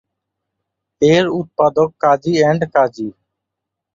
এর উৎপাদক কাজী এন্ড কাজী।